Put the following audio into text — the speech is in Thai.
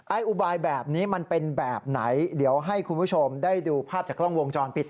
อุบายแบบนี้มันเป็นแบบไหนเดี๋ยวให้คุณผู้ชมได้ดูภาพจากกล้องวงจรปิด